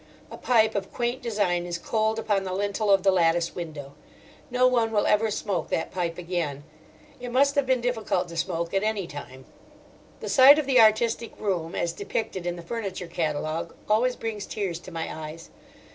A pipe of quaint design is cold upon the lintel of the lattice window. No one will ever smoke that pipe again: it must have been difficult to smoke at any time. The sight of the artistic room, as depicted in the furniture catalogue, always brings tears to my eyes.